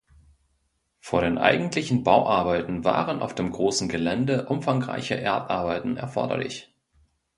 Vor den eigentlichen Bauarbeiten waren auf dem großen Gelände umfangreiche Erdarbeiten erforderlich.